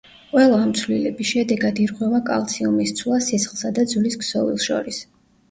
ყველა ამ ცვლილების შედეგად ირღვევა კალციუმის ცვლა სისხლსა და ძვლის ქსოვილს შორის.